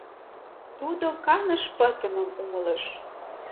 Тудо каныш пытымым умылыш.